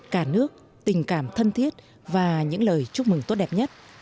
cả nước tình cảm thân thiết và những lời chúc mừng tốt đẹp nhất